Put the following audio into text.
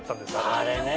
あれね。